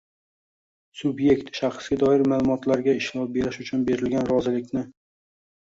Subyekt shaxsga doir ma’lumotlarga ishlov berish uchun berilgan rozilikni